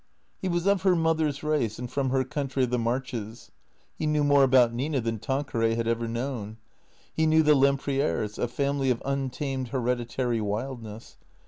He was of her mother's race and from her country of the Marches. He knew more about Nina than Tanqueray had ever known. He knew the Lemprieres, a family of untamed heredi tary wildness.